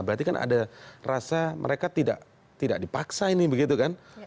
berarti kan ada rasa mereka tidak dipaksa ini begitu kan